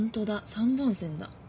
３本線だ。